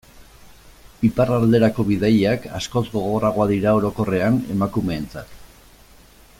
Iparralderako bidaiak askoz gogorragoak dira orokorrean emakumeentzat.